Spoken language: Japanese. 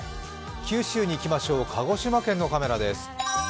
九州にいきましょう、鹿児島県のカメラです。